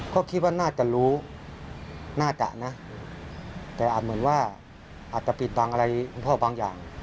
ก็คิดว่าน่าจะรู้น่าจะนะแต่อาจเหมือนว่าอาจจะปิดบังอะไรคุณพ่อบางอย่าง